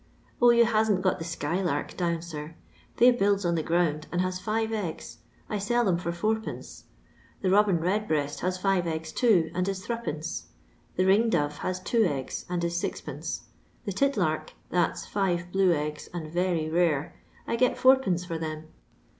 Oh, yon hasn't got the skylark down, sir ; they builds on the ground, and has five eggs ; I sell them for id. The robin redbreast has five eggs, too, and is Sd. The ringdove has two eggs, and is 6d. The tit lark— that 's five blue egg^, and very rare — I get Ad, for them.